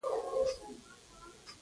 زه د کتابونو د محتوا تحلیل کوم.